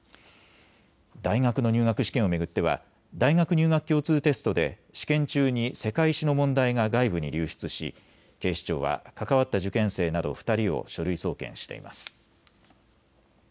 大学の入学試験を巡っては大学入学共通テストで試験中に世界史の問題が外部に流出し警視庁は関わった受験生など２人を書類送検しています。